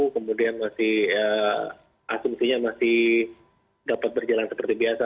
kemudian masih asumsinya masih dapat berjalan seperti biasa